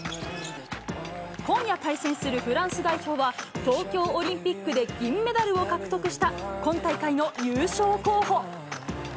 今夜対戦するフランス代表は、東京オリンピックで銀メダルを獲得した今大会の優勝候補。